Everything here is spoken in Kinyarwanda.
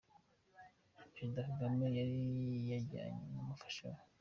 Perezida Kagame yari yajyanye n'umufasha we.